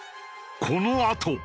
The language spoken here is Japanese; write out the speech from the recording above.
このあと。